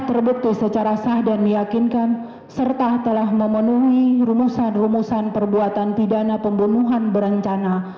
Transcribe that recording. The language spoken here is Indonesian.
terbukti secara sah dan meyakinkan serta telah memenuhi rumusan rumusan perbuatan pidana pembunuhan berencana